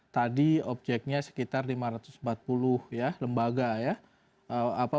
tadi objeknya sekitar lima ratus empat puluh lembaga